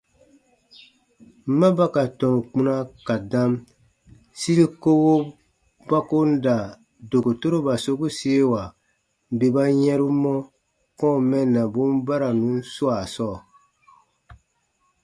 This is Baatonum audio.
Ma ba ka tɔnu kpuna ka dam, siri kowo ba ko n da dokotoroba sokusiewa bè ba yɛ̃ru mɔ kɔ̃ɔ mɛnnabun baranu swaa sɔɔ.